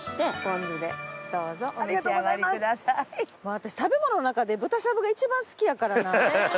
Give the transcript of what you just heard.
私食べ物の中で豚しゃぶが一番好きやからな。